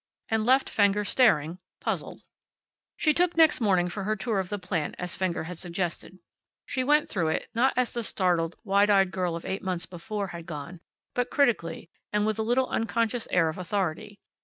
And left Fenger staring, puzzled. She took next morning for her tour of the plant as Fenger had suggested. She went through it, not as the startled, wide eyed girl of eight months before had gone, but critically, and with a little unconscious air of authority.